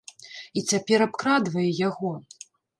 І цяпер абкрадвае яго.